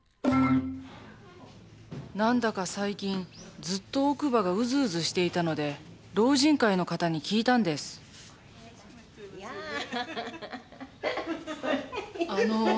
何だか最近ずっと奥歯がウズウズしていたので老人会の方に聞いたんですあの。